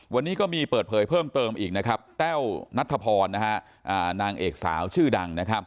วันนี้ก็มีเปิดเผยเพิ่มเติมอีกแต้วนัทธพรนางเอกสาวชื่อดัง